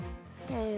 え。